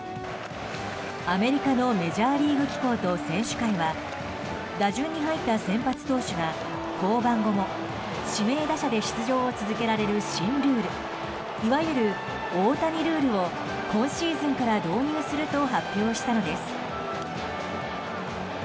アメリカのメジャーリーグ機構と選手会は打順に入った先発投手が降板後も指名打者で出場を続けられる新ルール、いわゆる大谷ルールを今シーズンから導入すると発表したのです。